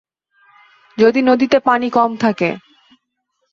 যদি নদীতে পানি কম থাকে।